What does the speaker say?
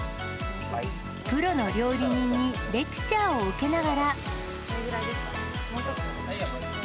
プロの料理人にレクチャーを受けながら。